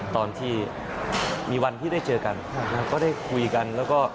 ตอนที่มีวันที่ได้เจอกันก็ได้คุยกัน